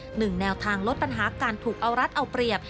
หนึ่งแนวทางลดปัญหาการถูกเอารัฐเอาเปรียบ